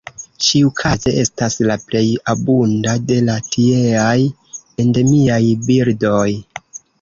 Ĉiukaze estas la plej abunda de la tieaj endemiaj birdoj.